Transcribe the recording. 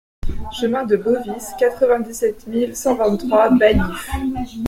Chemin de Bovis, quatre-vingt-dix-sept mille cent vingt-trois Baillif